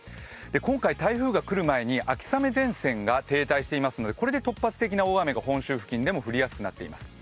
今回、台風が来る前に秋雨前線が停滞しているのでこれで突発的な大雨が本州付近でも降りやすくなっています。